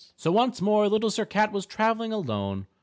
So once more Little Sir Cat was traveling alone.